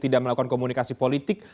tidak ada yang mengakon komunikasi politik